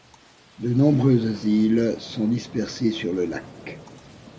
De nombreuses îles sont dispersées sur le lac.